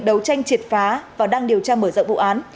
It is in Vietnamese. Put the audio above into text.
đấu tranh triệt phá và đang điều tra mở rộng vụ án